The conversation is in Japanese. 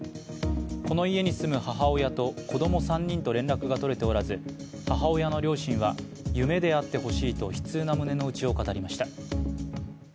この家に住む母親と子供３人と連絡が取れておらず母親の両親は夢であってほしいと悲痛な胸の内を語りました。